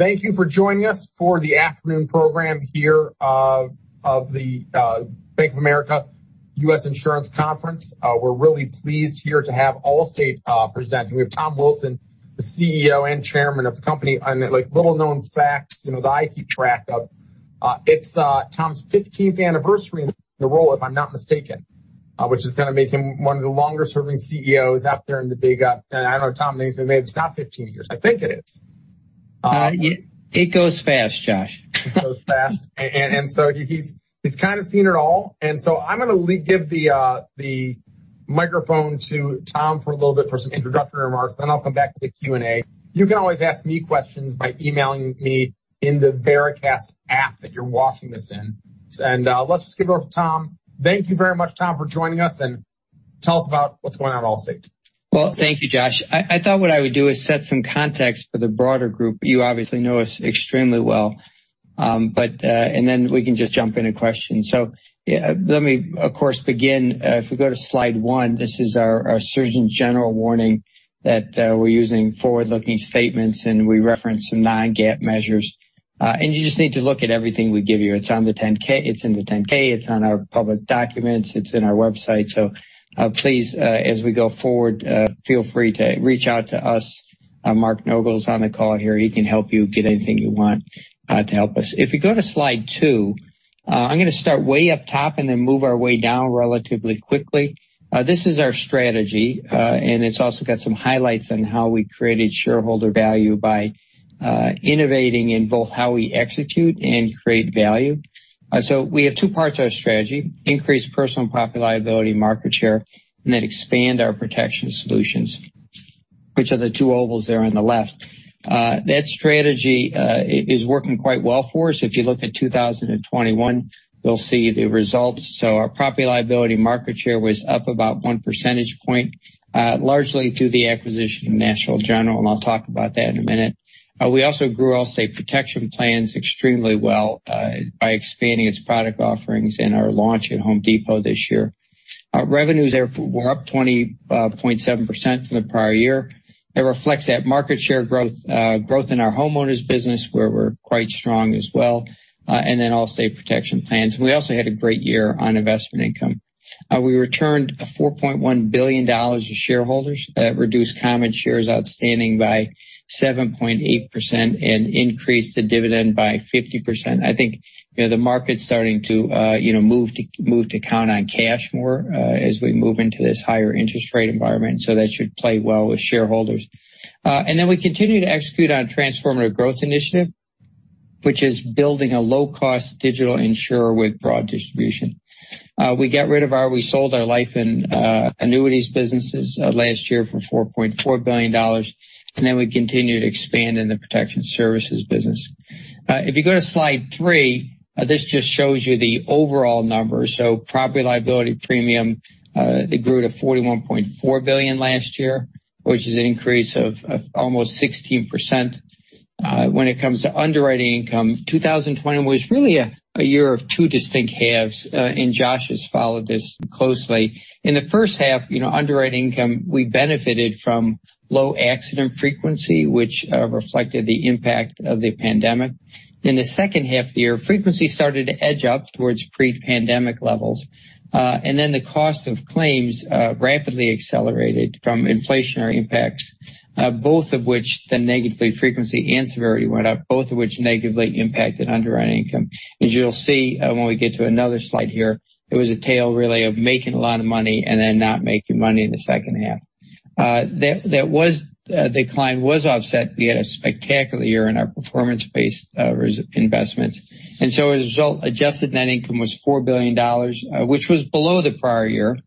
Thank you for joining us for the afternoon program here of the Bank of America U.S. Insurance Conference. We're really pleased here to have Allstate presenting. We have Tom Wilson, the CEO and Chairman of the company. Little known facts that I keep track of, it's Tom's 15th anniversary in the role, if I'm not mistaken, which is going to make him one of the longer-serving CEOs out there. I know Tom may say maybe it's not 15 years. I think it is. It goes fast, Josh. It goes fast. He's kind of seen it all. I'm going to give the microphone to Tom for a little bit for some introductory remarks. Then I'll come back to the Q&A. You can always ask me questions by emailing me in the Vericast app that you're watching this in. Let's just give it over to Tom. Thank you very much, Tom, for joining us, and tell us about what's going on at Allstate. Well, thank you, Josh. I thought what I would do is set some context for the broader group. You obviously know us extremely well. Then we can just jump into questions. Let me, of course, begin. If we go to slide one, this is our Surgeon General warning that we're using forward-looking statements, and we reference some non-GAAP measures. You just need to look at everything we give you. It's in the 10-K, it's on our public documents, it's in our website. Please, as we go forward, feel free to reach out to us. Mark Nogal's on the call here. He can help you get anything you want to help us. If you go to slide two, I'm going to start way up top and then move our way down relatively quickly. This is our strategy. It's also got some highlights on how we created shareholder value by innovating in both how we execute and create value. We have two parts to our strategy, increase personal property liability market share, then expand our protection solutions, which are the two ovals there on the left. That strategy is working quite well for us. If you look at 2021, you'll see the results. Our property liability market share was up about 1 percentage point, largely through the acquisition of National General, and I'll talk about that in a minute. We also grew Allstate Protection Plans extremely well by expanding its product offerings and our launch at Home Depot this year. Our revenues there were up 20.7% from the prior year. That reflects that market share growth in our homeowners business, where we're quite strong as well, then Allstate Protection Plans. We also had a great year on investment income. We returned $4.1 billion to shareholders. That reduced common shares outstanding by 7.8% and increased the dividend by 50%. I think the market's starting to move to count on cash more as we move into this higher interest rate environment. That should play well with shareholders. We continue to execute on transformative growth initiative, which is building a low-cost digital insurer with broad distribution. We sold our life and annuities businesses last year for $4.4 billion, then we continue to expand in the protection services business. If you go to slide three, this just shows you the overall numbers. Property liability premium, it grew to $41.4 billion last year, which is an increase of almost 16%. When it comes to underwriting income, 2021 was really a year of two distinct halves. Josh has followed this closely. In the first half, underwriting income, we benefited from low accident frequency, which reflected the impact of the pandemic. In the second half of the year, frequency started to edge up towards pre-pandemic levels. The cost of claims rapidly accelerated from inflationary impacts. Frequency and severity went up, both of which negatively impacted underwriting income. As you'll see when we get to another slide here, it was a tale really, of making a lot of money and then not making money in the second half. That decline was offset. We had a spectacular year in our performance-based investments. As a result, adjusted net income was $4 billion, which was below the prior year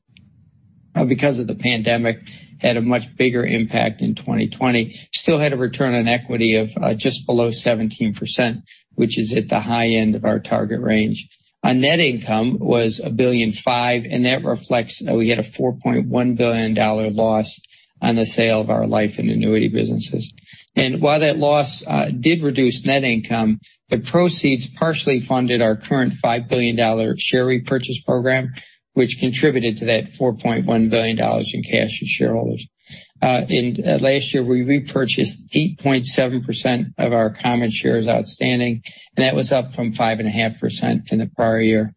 because of the pandemic had a much bigger impact in 2020. Still had a return on equity of just below 17%, which is at the high end of our target range. Our net income was $1.5 billion, and that reflects that we had a $4.1 billion loss on the sale of our life and annuity businesses. While that loss did reduce net income, the proceeds partially funded our current $5 billion share repurchase program, which contributed to that $4.1 billion in cash to shareholders. Last year, we repurchased 8.7% of our common shares outstanding, and that was up from 5.5% in the prior year.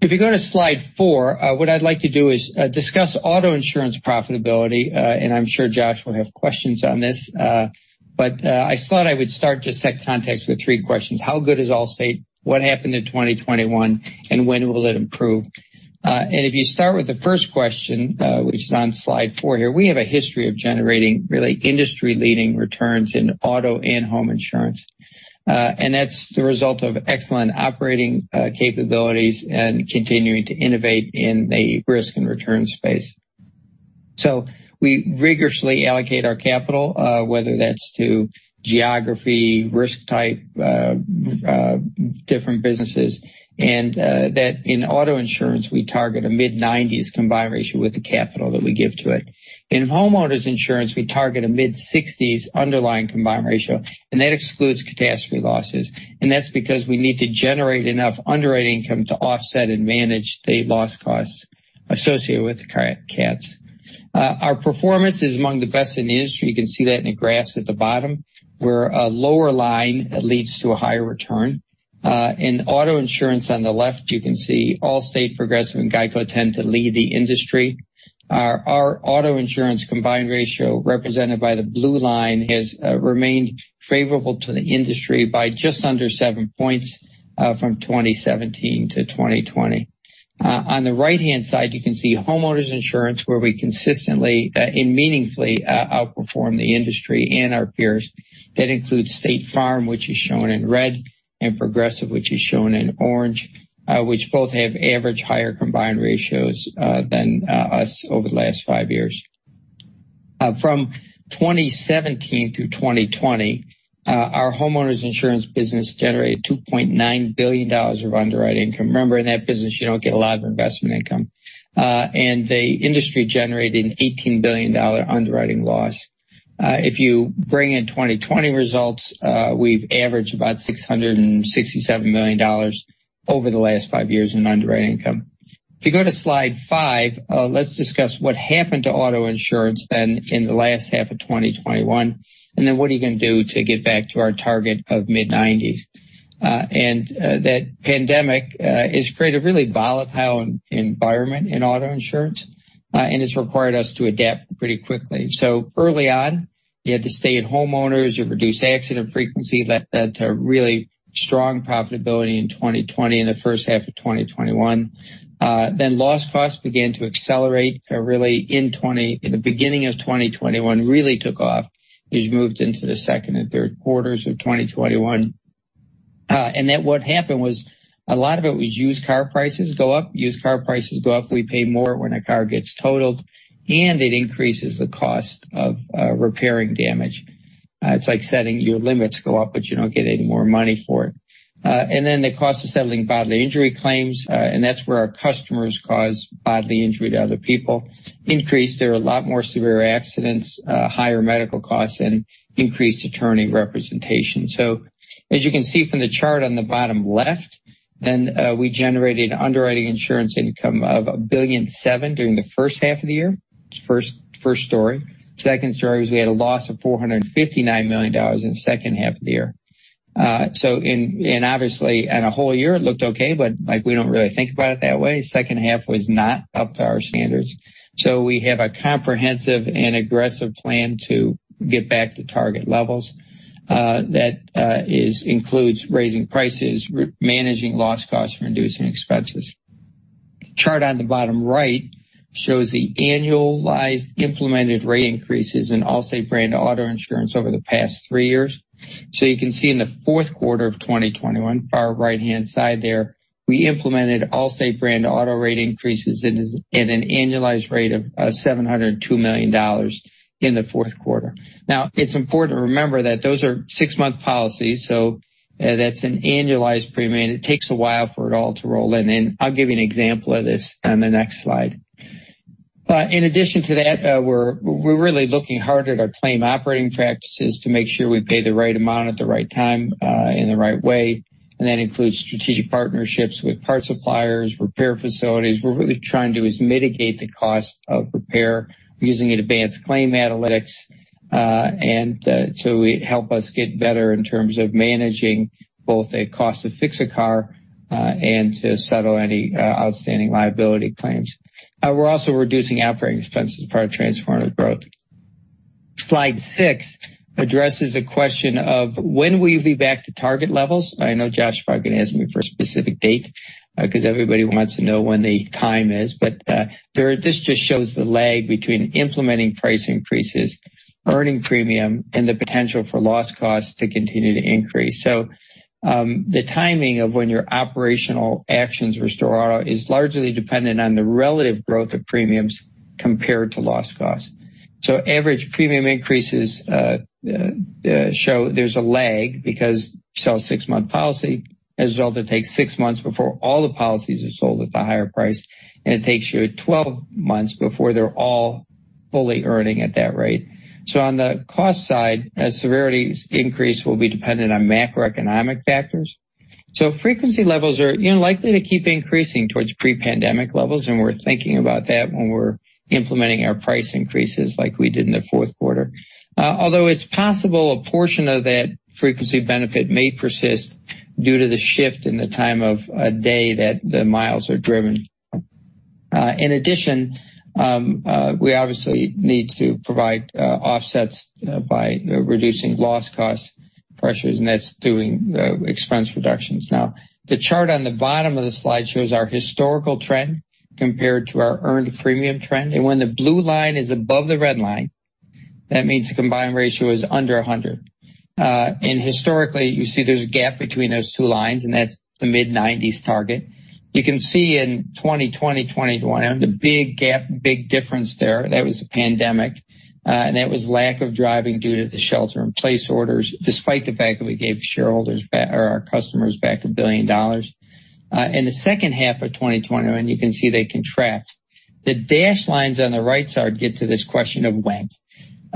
If you go to slide four, what I'd like to do is discuss auto insurance profitability. I'm sure Josh will have questions on this. I thought I would start to set context with three questions. How good is Allstate? What happened in 2021? When will it improve? If you start with the first question, which is on slide four here, we have a history of generating really industry-leading returns in auto and home insurance. That's the result of excellent operating capabilities and continuing to innovate in the risk and return space. We rigorously allocate our capital, whether that's to geography, risk type, different businesses, and that in auto insurance, we target a mid-nineties combined ratio with the capital that we give to it. In homeowners insurance, we target a mid-sixties underlying combined ratio, and that excludes catastrophe losses. That's because we need to generate enough underwriting income to offset and manage the loss costs associated with the cats. Our performance is among the best in the industry. You can see that in the graphs at the bottom, where a lower line leads to a higher return. In auto insurance on the left, you can see Allstate, Progressive, and GEICO tend to lead the industry. Our auto insurance combined ratio, represented by the blue line, has remained favorable to the industry by just under seven points from 2017 to 2020. On the right-hand side, you can see homeowners insurance, where we consistently and meaningfully outperform the industry and our peers. That includes State Farm, which is shown in red, and Progressive, which is shown in orange, which both have average higher combined ratios than us over the last five years. From 2017 to 2020, our homeowners insurance business generated $2.9 billion of underwriting income. Remember, in that business, you don't get a lot of investment income. The industry generated an $18 billion underwriting loss. If you bring in 2020 results, we've averaged about $667 million over the last five years in underwriting income. If you go to slide five, let's discuss what happened to auto insurance then in the last half of 2021. What are you going to do to get back to our target of mid-90s? That pandemic has created a really volatile environment in auto insurance, and it's required us to adapt pretty quickly. Early on, you had the stay at homeowners, you had reduced accident frequency, that led to really strong profitability in 2020 and the first half of 2021. Loss costs began to accelerate, in the beginning of 2021, really took off as you moved into the second and third quarters of 2021. What happened was, a lot of it was used car prices go up. Used car prices go up, we pay more when a car gets totaled, and it increases the cost of repairing damage. It's like setting your limits go up, but you don't get any more money for it. The cost of settling bodily injury claims, and that's where our customers cause bodily injury to other people, increased. There were a lot more severe accidents, higher medical costs, and increased attorney representation. As you can see from the chart on the bottom left, we generated underwriting insurance income of $1.7 billion during the first half of the year. That's the first story. Second story, we had a loss of $459 million in the second half of the year. Obviously, on a whole year, it looked okay, but we don't really think about it that way. Second half was not up to our standards. We have a comprehensive and aggressive plan to get back to target levels. That includes raising prices, managing loss costs, and reducing expenses. The chart on the bottom right shows the annualized implemented rate increases in Allstate brand auto insurance over the past three years. You can see in the fourth quarter of 2021, far right-hand side there, we implemented Allstate brand auto rate increases at an annualized rate of $702 million in the fourth quarter. It's important to remember that those are six-month policies, so that's an annualized premium, and it takes a while for it all to roll in, and I'll give you an example of this on the next slide. In addition to that, we're really looking hard at our claim operating practices to make sure we pay the right amount at the right time in the right way, and that includes strategic partnerships with parts suppliers, repair facilities. What we're really trying to do is mitigate the cost of repair using advanced claim analytics to help us get better in terms of managing both the cost to fix a car and to settle any outstanding liability claims. We're also reducing operating expenses to power transformative growth. Slide six addresses a question of when we will be back to target levels. I know Josh probably going to ask me for a specific date, because everybody wants to know when the time is. This just shows the lag between implementing price increases, earning premium, and the potential for loss costs to continue to increase. The timing of when your operational actions restore auto is largely dependent on the relative growth of premiums compared to loss costs. Average premium increases show there's a lag because you sell a six-month policy. As a result, it takes six months before all the policies are sold at the higher price, and it takes you 12 months before they're all fully earning at that rate. On the cost side, that severity's increase will be dependent on macroeconomic factors. Frequency levels are unlikely to keep increasing towards pre-pandemic levels, and we're thinking about that when we're implementing our price increases like we did in the fourth quarter. Although it's possible a portion of that frequency benefit may persist due to the shift in the time of day that the miles are driven. In addition, we obviously need to provide offsets by reducing loss cost pressures, and that's doing the expense reductions. The chart on the bottom of the slide shows our historical trend compared to our earned premium trend. When the blue line is above the red line, that means the combined ratio is under 100. Historically, you see there's a gap between those two lines, and that's the mid-90s target. You can see in 2020, 2021, the big gap, big difference there. That was the pandemic. That was lack of driving due to the shelter-in-place orders, despite the fact that we gave our customers back $1 billion. In the second half of 2021, you can see they contract. The dashed lines on the right side get to this question of when.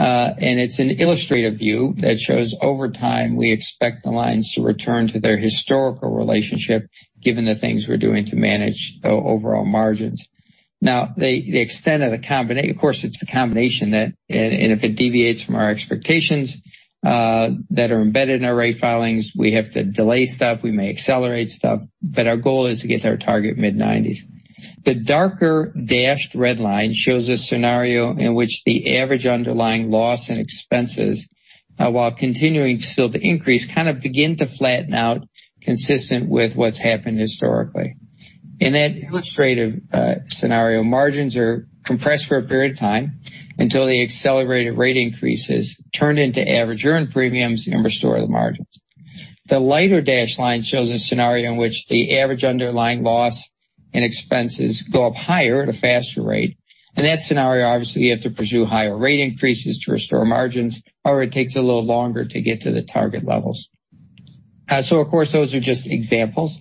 It's an illustrative view that shows over time, we expect the lines to return to their historical relationship given the things we're doing to manage the overall margins. Of course, it's the combination, and if it deviates from our expectations that are embedded in our rate filings, we have to delay stuff, we may accelerate stuff, but our goal is to get to our target mid-90s. The darker dashed red line shows a scenario in which the average underlying loss and expenses, while continuing still to increase, kind of begin to flatten out consistent with what's happened historically. In that illustrative scenario, margins are compressed for a period of time until the accelerated rate increases turn into average earned premiums and restore the margins. The lighter dashed line shows a scenario in which the average underlying loss and expenses go up higher at a faster rate. In that scenario, obviously, you have to pursue higher rate increases to restore margins. However, it takes a little longer to get to the target levels. Of course, those are just examples.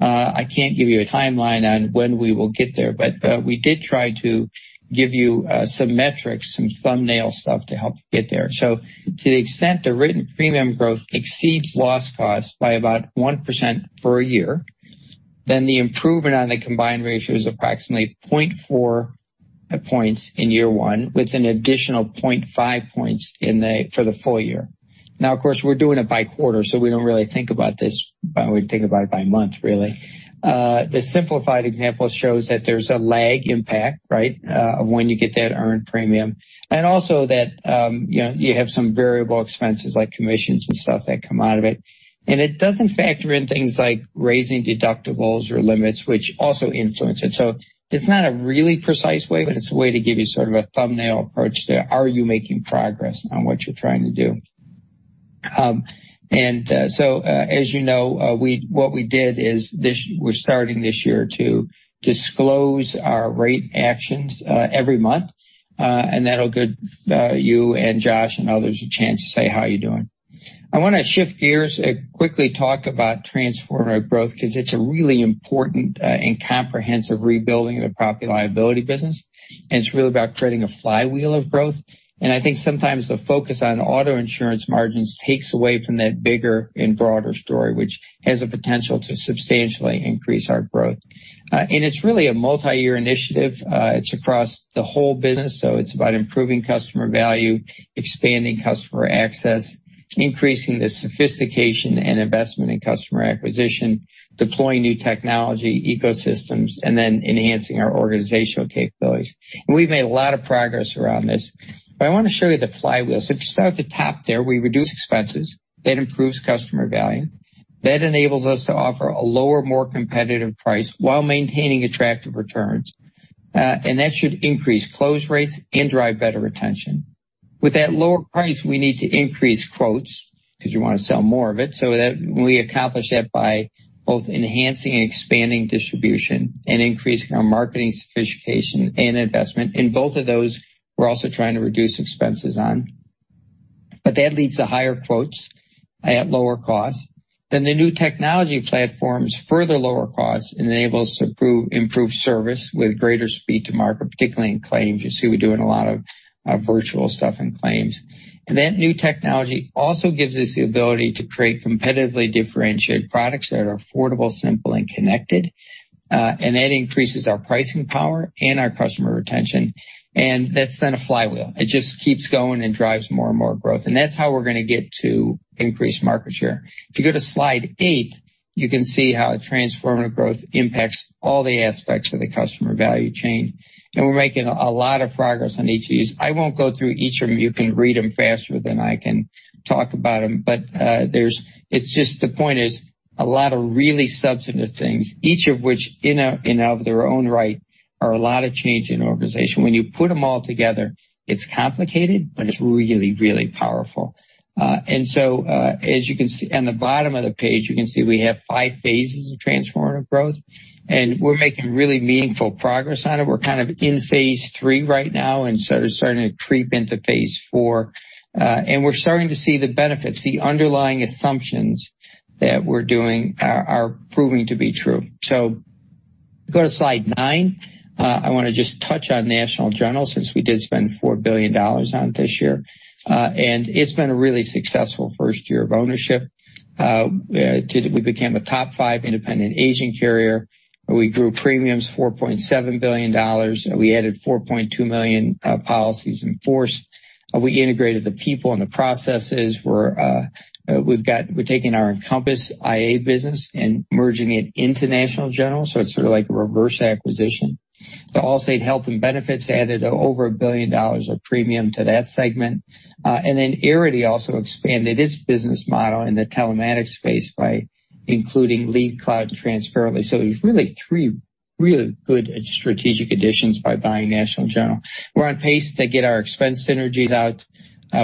I can't give you a timeline on when we will get there, but we did try to give you some metrics, some thumbnail stuff to help you get there. To the extent the written premium growth exceeds loss costs by about 1% for a year, then the improvement on the combined ratio is approximately 0.4 points in year one with an additional 0.5 points for the full year. Of course, we're doing it by quarter, so we don't really think about this, but we think about it by month really. The simplified example shows that there's a lag impact, right, of when you get that earned premium. Also that you have some variable expenses like commissions and stuff that come out of it. It doesn't factor in things like raising deductibles or limits, which also influence it. It's not a really precise way, but it's a way to give you sort of a thumbnail approach to, are you making progress on what you're trying to do? As you know, what we did is we're starting this year to disclose our rate actions every month. That'll give you and Josh and others a chance to say how you're doing. I want to shift gears and quickly talk about transformative growth because it's a really important and comprehensive rebuilding of the property liability business, and it's really about creating a flywheel of growth. I think sometimes the focus on auto insurance margins takes away from that bigger and broader story, which has a potential to substantially increase our growth. It's really a multi-year initiative. It's across the whole business, so it's about improving customer value, expanding customer access, increasing the sophistication and investment in customer acquisition, deploying new technology ecosystems, and then enhancing our organizational capabilities. We've made a lot of progress around this. I want to show you the flywheel. If you start at the top there, we reduce expenses. That improves customer value. That enables us to offer a lower, more competitive price while maintaining attractive returns. That should increase close rates and drive better retention. With that lower price, we need to increase quotes because you want to sell more of it. We accomplish that by both enhancing and expanding distribution and increasing our marketing sophistication and investment. In both of those, we're also trying to reduce expenses on. That leads to higher quotes at lower costs. The new technology platforms further lower costs and enables improved service with greater speed to market, particularly in claims. You see we're doing a lot of virtual stuff in claims. That new technology also gives us the ability to create competitively differentiated products that are affordable, simple, and connected. That increases our pricing power and our customer retention. That's then a flywheel. It just keeps going and drives more and more growth. That's how we're going to get to increased market share. If you go to slide eight, you can see how transformative growth impacts all the aspects of the customer value chain. We're making a lot of progress on each of these. I won't go through each of them. You can read them faster than I can talk about them. It's just the point is a lot of really substantive things, each of which in and of their own right are a lot of change in an organization. When you put them all together, it's complicated, but it's really, really powerful. As you can see on the bottom of the page, you can see we have 5 phases of transformative growth, and we're making really meaningful progress on it. We're kind of in phase 3 right now and sort of starting to creep into phase 4. We're starting to see the benefits. The underlying assumptions that we're doing are proving to be true. Go to slide nine. I want to just touch on National General since we did spend $4 billion on it this year. It's been a really successful first year of ownership. We became a top five independent agent carrier. We grew premiums $4.7 billion. We added 4.2 million policies in force. We integrated the people and the processes. We're taking our Encompass IA business and merging it into National General, so it's sort of like a reverse acquisition. The Allstate Health Solutions added over $1 billion of premium to that segment. Arity also expanded its business model in the telematics space by including LeadCloud and Transferly. It was really three really good strategic additions by buying National General. We're on pace to get our expense synergies out.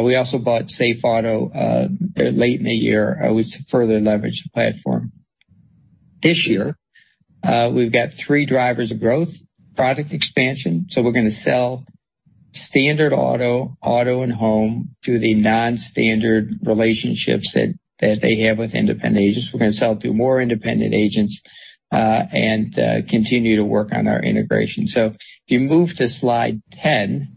We also bought SafeAuto late in the year, which further leveraged the platform. This year, we've got three drivers of growth. Product expansion, we're going to sell standard auto and home to the non-standard relationships that they have with independent agents. We're going to sell it to more independent agents and continue to work on our integration. If you move to slide 10,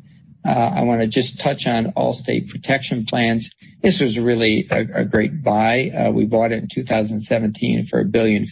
I want to just touch on Allstate Protection Plans. This was really a great buy. We bought it in 2017 for $1.4 billion.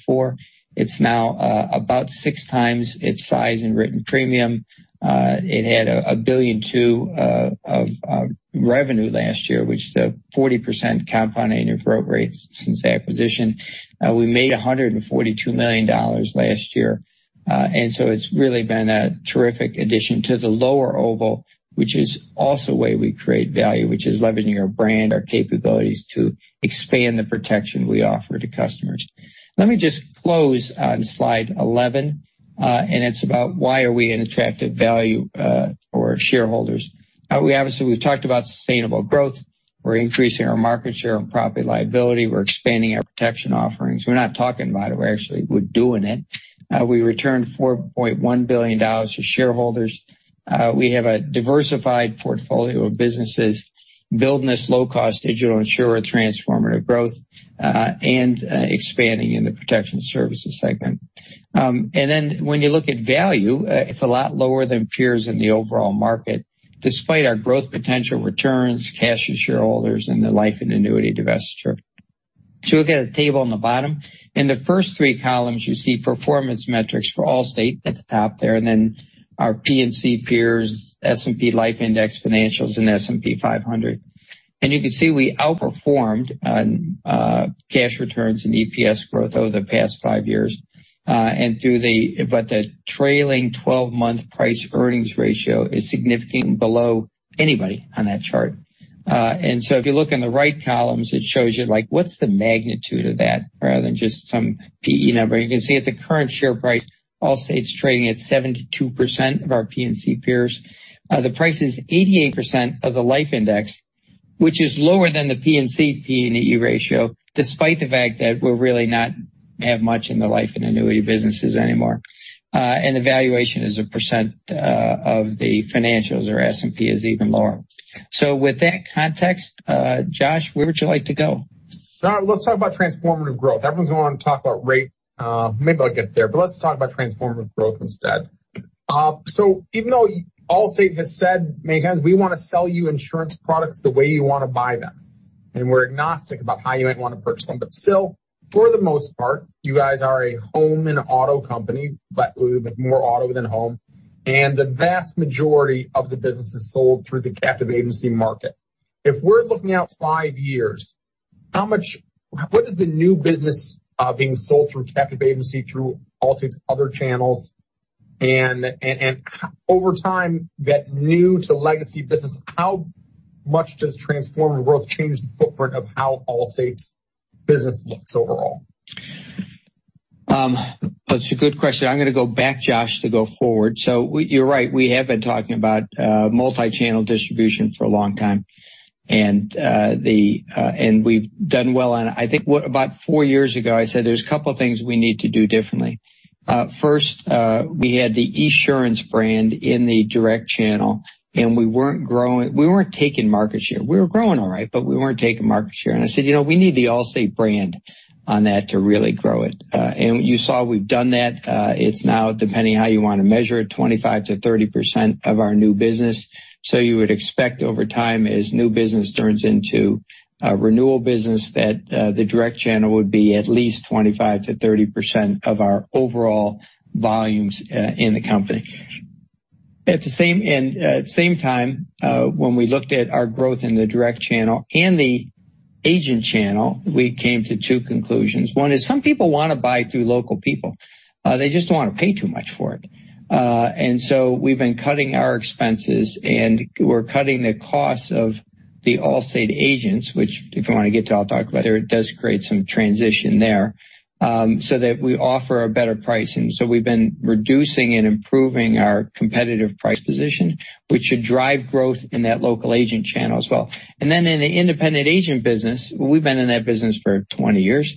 It's now about 6x its size in written premium. It had $1.2 billion of revenue last year, which is a 40% compound annual growth rate since the acquisition. We made $142 million last year. It's really been a terrific addition to the lower oval, which is also a way we create value, which is leveraging our brand, our capabilities to expand the protection we offer to customers. Let me just close on slide 11. It's about why are we an attractive value for shareholders. Obviously, we've talked about sustainable growth. We're increasing our market share and property liability. We're expanding our protection offerings. We're not talking about it, we're doing it. We returned $4.1 billion to shareholders. We have a diversified portfolio of businesses building this low-cost digital insurer transformative growth, expanding in the protection services segment. When you look at value, it's a lot lower than peers in the overall market, despite our growth potential returns, cash to shareholders, and the life and annuity divestiture. Look at the table on the bottom. In the first three columns, you see performance metrics for Allstate at the top there. Then our P&C peers, S&P life index financials, and S&P 500. You can see we outperformed on cash returns and EPS growth over the past five years. The trailing 12-month price earnings ratio is significantly below anybody on that chart. If you look in the right columns, it shows you what's the magnitude of that rather than just some P/E number. You can see at the current share price, Allstate's trading at 72% of our P&C peers. The price is 88% of the life index, which is lower than the P&C P/E ratio, despite the fact that we're really not have much in the life and annuity businesses anymore. The valuation as a percent of the financials or S&P is even lower. With that context, Josh, where would you like to go? Let's talk about transformative growth. Everyone's going to want to talk about rate. Maybe I'll get there, but let's talk about transformative growth instead. Even though Allstate has said many times, we want to sell you insurance products the way you want to buy them, and we're agnostic about how you might want to purchase them, but still, for the most part, you guys are a home and auto company, but with more auto than home, and the vast majority of the business is sold through the captive agency market. If we're looking out five years, what is the new business being sold through captive agency, through Allstate's other channels? Over time, that new to legacy business, how much does transformative growth change the footprint of how Allstate's business looks overall? That's a good question. I'm going to go back, Josh, to go forward. You're right, we have been talking about multi-channel distribution for a long time. We've done well on it. I think about 4 years ago, I said there's a couple of things we need to do differently. First, we had the Esurance brand in the direct channel, and we weren't taking market share. We were growing all right, but we weren't taking market share. I said, "We need the Allstate brand on that to really grow it." You saw we've done that. It's now, depending on how you want to measure it, 25%-30% of our new business. You would expect over time, as new business turns into renewal business, that the direct channel would be at least 25%-30% of our overall volumes in the company. At the same time, when we looked at our growth in the direct channel and the agent channel, we came to two conclusions. One is some people want to buy through local people. They just don't want to pay too much for it. We've been cutting our expenses, and we're cutting the costs of the Allstate agents, which if I want to get to, I'll talk about it does create some transition there, so that we offer a better price. We've been reducing and improving our competitive price position, which should drive growth in that local agent channel as well. In the independent agent business, we've been in that business for 20 years.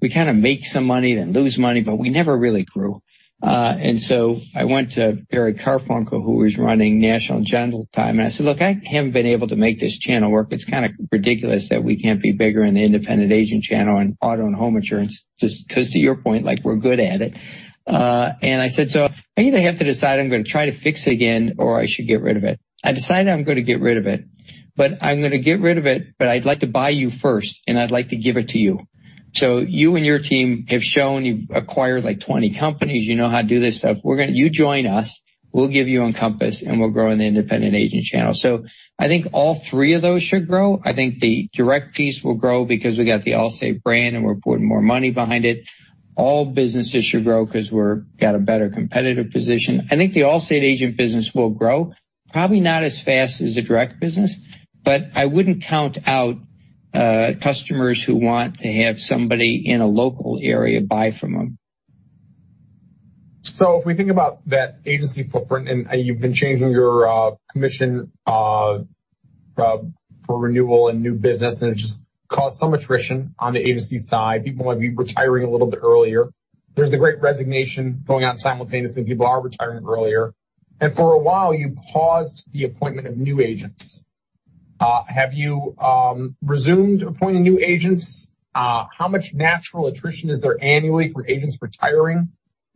We kind of make some money, then lose money, but we never really grew. I went to Barry Karfunkel, who was running National General at the time, and I said, "Look, I haven't been able to make this channel work. It's kind of ridiculous that we can't be bigger in the independent agent channel in auto and home insurance," just because to your point, we're good at it. I said, "I either have to decide I'm going to try to fix it again, or I should get rid of it." I decided I'm going to get rid of it, but I'm going to get rid of it, but I'd like to buy you first, and I'd like to give it to you. You and your team have shown you've acquired like 20 companies. You know how to do this stuff. You join us, we'll give you Encompass, and we'll grow in the independent agent channel. I think all three of those should grow. I think the direct piece will grow because we got the Allstate brand and we're putting more money behind it. All businesses should grow because we've got a better competitive position. I think the Allstate agent business will grow, probably not as fast as the direct business, but I wouldn't count out customers who want to have somebody in a local area buy from them. If we think about that agency footprint, you've been changing your commission for renewal and new business, it just caused some attrition on the agency side. People might be retiring a little bit earlier. There's the great resignation going on simultaneously, people are retiring earlier. For a while, you paused the appointment of new agents. Have you resumed appointing new agents? How much natural attrition is there annually for agents retiring?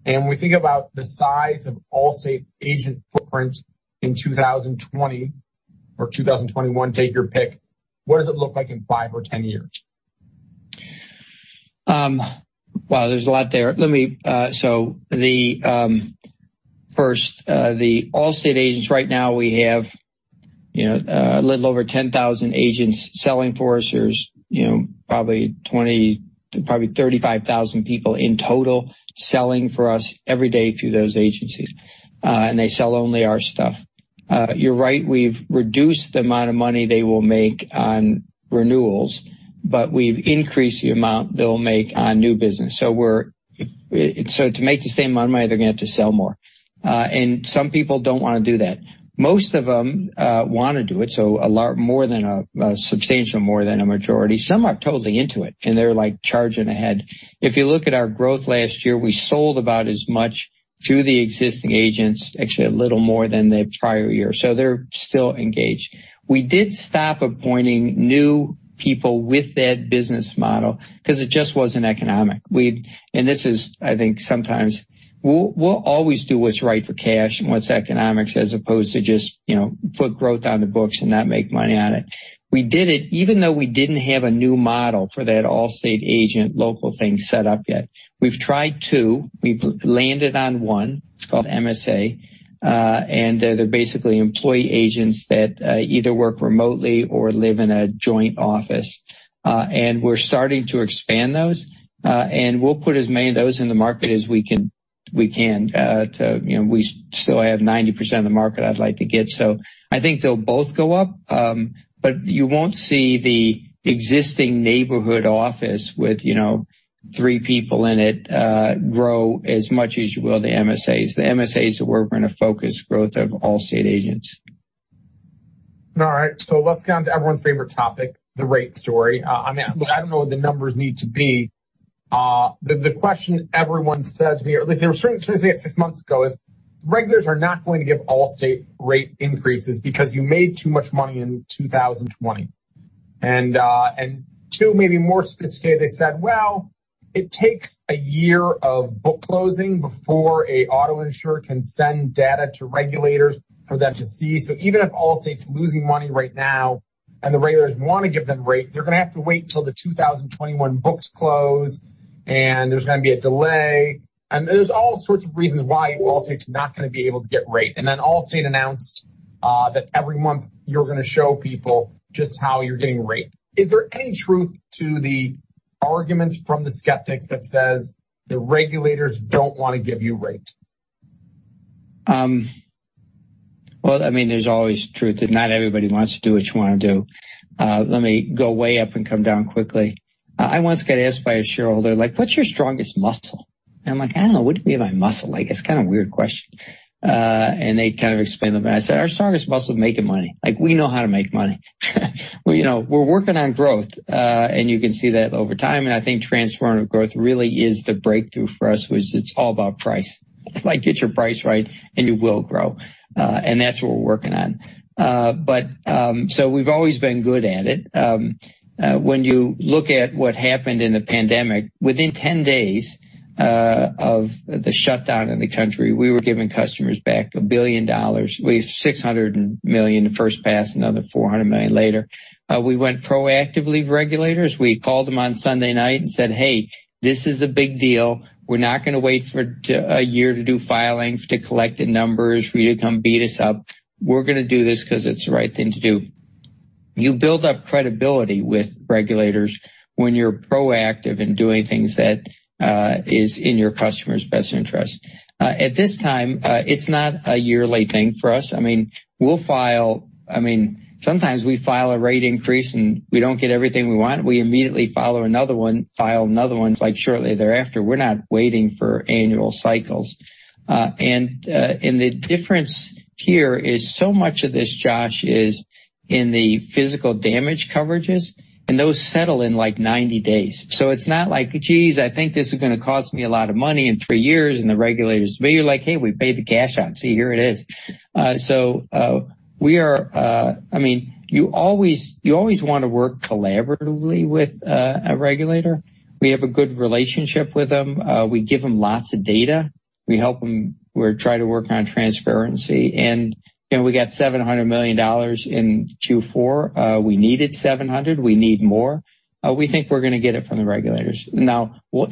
When we think about the size of Allstate agent footprint in 2020 or 2021, take your pick, what does it look like in 5 or 10 years? There's a lot there. The Allstate agents right now, we have a little over 10,000 agents selling for us. There's probably 35,000 people in total selling for us every day through those agencies, and they sell only our stuff. You're right, we've reduced the amount of money they will make on renewals, but we've increased the amount they'll make on new business. To make the same amount of money, they're going to have to sell more. Some people don't want to do that. Most of them want to do it, so a substantial more than a majority. Some are totally into it, and they're charging ahead. If you look at our growth last year, we sold about as much through the existing agents, actually, a little more than the prior year. They're still engaged. We did stop appointing new people with that business model because it just wasn't economic. We'll always do what's right for cash and what's economics, as opposed to just put growth on the books and not make money on it. We did it even though we didn't have a new model for that Allstate agent local thing set up yet. We've tried 2. We've landed on 1. It's called MSA. They're basically employee agents that either work remotely or live in a joint office. We're starting to expand those, and we'll put as many of those in the market as we can. We still have 90% of the market I'd like to get. I think they'll both go up, but you won't see the existing neighborhood office with 3 people in it grow as much as you will the MSAs. The MSAs are where we're going to focus growth of Allstate agents. Let's get on to everyone's favorite topic, the rate story. I don't know what the numbers need to be. The question everyone said to me, or at least they were starting to say it six months ago, is regulators are not going to give Allstate rate increases because you made too much money in 2020. Two, maybe more sophisticated, they said, "Well, it takes a year of book closing before an auto insurer can send data to regulators for them to see. Even if Allstate's losing money right now and the regulators want to give them rate, they're going to have to wait till the 2021 books close, and there's going to be a delay." There's all sorts of reasons why Allstate's not going to be able to get rate. Allstate announced that every month you're going to show people just how you're getting rate. Is there any truth to the arguments from the skeptics that says the regulators don't want to give you rate? Well, there's always truth that not everybody wants to do what you want to do. Let me go way up and come down quickly. I once got asked by a shareholder, "What's your strongest muscle?" I'm like, "I don't know. What do you mean by muscle? It's kind of a weird question." They kind of explained to me, and I said, "Our strongest muscle, making money. We know how to make money." Well, we're working on growth, and you can see that over time. I think transformative growth really is the breakthrough for us, which it's all about price. If I get your price right, you will grow. That's what we're working on. We've always been good at it. When you look at what happened in the pandemic, within 10 days of the shutdown in the country, we were giving customers back $1 billion. We gave $600 million the first pass, another $400 million later. We went proactively to regulators. We called them on Sunday night and said, "Hey, this is a big deal. We're not going to wait for a year to do filings, to collect the numbers for you to come beat us up. We're going to do this because it's the right thing to do." You build up credibility with regulators when you're proactive in doing things that is in your customer's best interest. At this time, it's not a yearly thing for us. Sometimes we file a rate increase, and we don't get everything we want. We immediately file another one shortly thereafter. We're not waiting for annual cycles. The difference here is so much of this, Josh, is in the physical damage coverages, and those settle in 90 days. It's not like, geez, I think this is going to cost me a lot of money in 3 years, and the regulators. You're like, "Hey, we paid the cash out. See, here it is." You always want to work collaboratively with a regulator. We have a good relationship with them. We give them lots of data. We try to work on transparency. We got $700 million in Q4. We needed $700. We need more. We think we're going to get it from the regulators. Will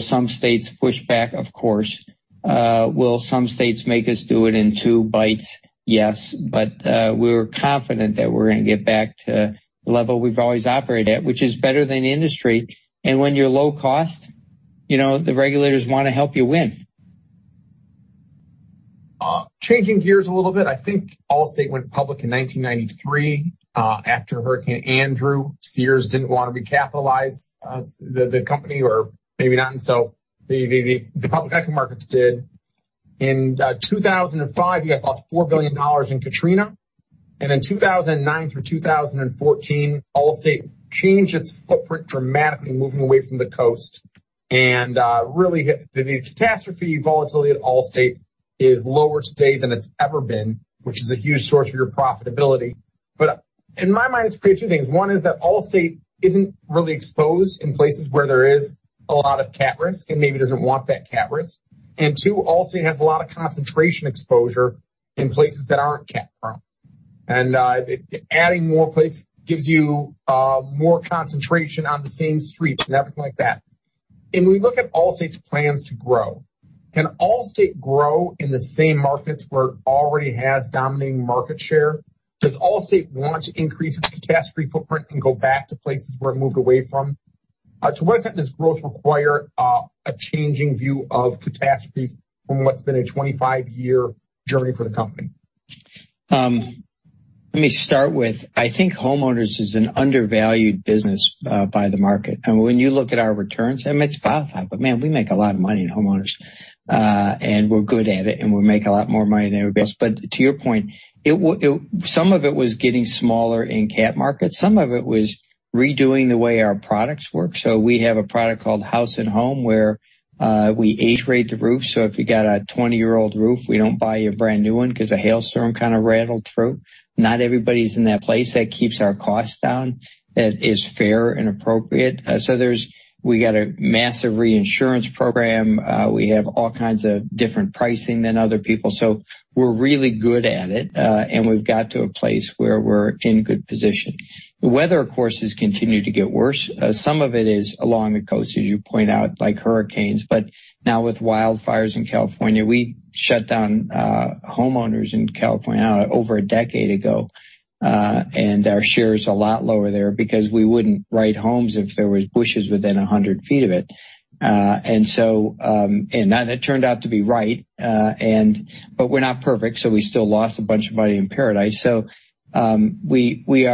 some states push back? Of course. Will some states make us do it in two bites? Yes. We're confident that we're going to get back to the level we've always operated at, which is better than the industry. When you're low cost, the regulators want to help you win. Changing gears a little bit. I think Allstate went public in 1993 after Hurricane Andrew. Sears didn't want to recapitalize the company, or maybe not. The public equity markets did. In 2005, you guys lost $4 billion in Hurricane Katrina. In 2009 through 2014, Allstate changed its footprint dramatically, moving away from the coast. Really, the catastrophe volatility at Allstate is lower today than it's ever been, which is a huge source of your profitability. In my mind, it's created two things. One is that Allstate isn't really exposed in places where there is a lot of cat risk, and maybe doesn't want that cat risk. Two, Allstate has a lot of concentration exposure in places that aren't cat prone. Adding more places gives you more concentration on the same streets and everything like that. We look at Allstate's plans to grow. Can Allstate grow in the same markets where it already has dominating market share? Does Allstate want to increase its catastrophe footprint and go back to places where it moved away from? To what extent does growth require a changing view of catastrophes from what's been a 25-year journey for the company? Let me start with, I think homeowners is an undervalued business by the market. When you look at our returns, I mean, it's spot on. Man, we make a lot of money in homeowners, and we're good at it. We make a lot more money than everybody else. To your point, some of it was getting smaller in cat markets. Some of it was redoing the way our products work. We have a product called House & Home, where we age rate the roof. If you got a 20-year-old roof, we don't buy you a brand new one because a hailstorm kind of rattled through. Not everybody's in that place. That keeps our costs down. That is fair and appropriate. There's. We got a massive reinsurance program. We have all kinds of different pricing than other people. We're really good at it. We've got to a place where we're in good position. The weather, of course, has continued to get worse. Some of it is along the coast, as you point out, like hurricanes. Now with wildfires in California, we shut down homeowners in California over a decade ago, and our share is a lot lower there because we wouldn't write homes if there was bushes within 100 feet of it. That turned out to be right, but we're not perfect, we still lost a bunch of money in Paradise. We are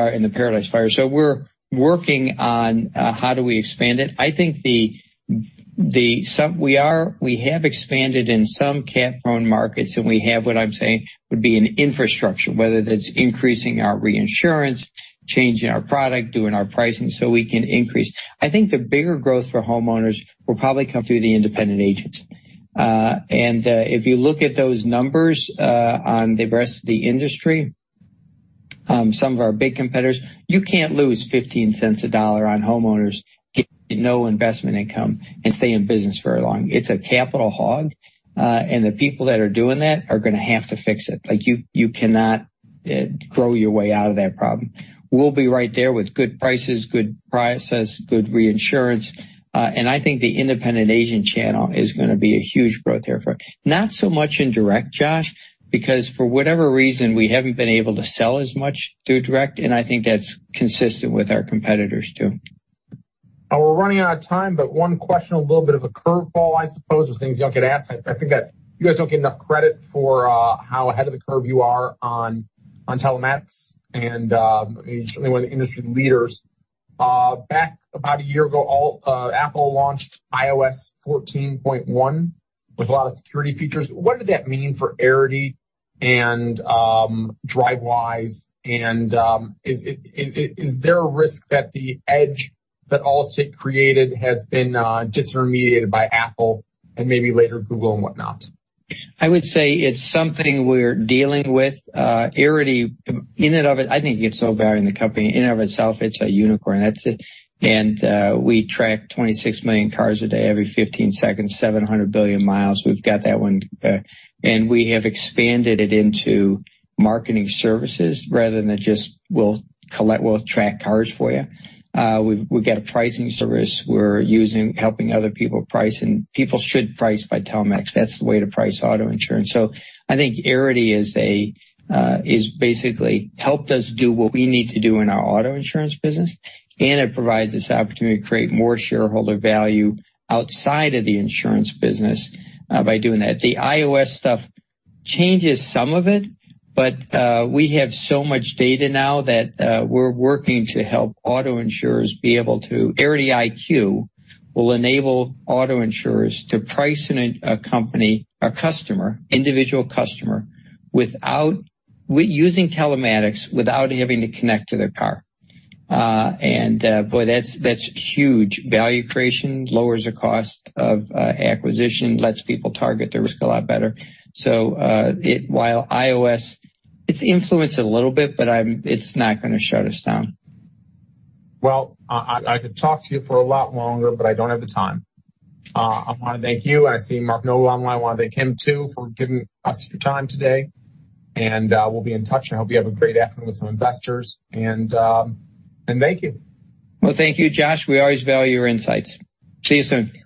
in the Camp Fire. We're working on how do we expand it. I think we have expanded in some cat-prone markets, we have what I'm saying would be an infrastructure, whether that's increasing our reinsurance, changing our product, doing our pricing, we can increase. I think the bigger growth for homeowners will probably come through the independent agents. If you look at those numbers on the rest of the industry, some of our big competitors, you can't lose $0.15 a dollar on homeowners, get no investment income, stay in business very long. It's a capital hog, the people that are doing that are going to have to fix it. You cannot grow your way out of that problem. We'll be right there with good prices, good process, good reinsurance, I think the independent agent channel is going to be a huge growth area. Not so much in direct, Josh, because for whatever reason, we haven't been able to sell as much through direct, I think that's consistent with our competitors, too. We're running out of time, one question, a little bit of a curveball, I suppose, those things you don't get to ask. I think that you guys don't get enough credit for how ahead of the curve you are on telematics, you're certainly one of the industry leaders. Back about a year ago, Apple launched iOS 14.1 with a lot of security features. What did that mean for Arity and Drivewise? Is there a risk that the edge that Allstate created has been disintermediated by Apple and maybe later Google and whatnot? I would say it's something we're dealing with. Arity, in and of it, I think it's so valuable in the company. In and of itself, it's a unicorn. That's it. We track 26 million cars a day, every 15 seconds, 700 billion miles. We've got that one. We have expanded it into marketing services. Rather than just we'll collect, we'll track cars for you, we've got a pricing service we're using, helping other people price. People should price by telematics. That's the way to price auto insurance. I think Arity has basically helped us do what we need to do in our auto insurance business, it provides this opportunity to create more shareholder value outside of the insurance business by doing that. The iOS stuff changes some of it, but we have so much data now that we're working to help auto insurers be able to Arity IQ will enable auto insurers to price a company, a customer, individual customer using telematics, without having to connect to their car. Boy, that's huge. Value creation, lowers the cost of acquisition, lets people target their risk a lot better. While iOS, it's influenced it a little bit, but it's not going to shut us down. Well, I could talk to you for a lot longer, but I don't have the time. I want to thank you. I see Mark Nogal online. I want to thank him, too, for giving us your time today. We'll be in touch, and I hope you have a great afternoon with some investors, and thank you. Well, thank you, Josh. We always value your insights. See you soon.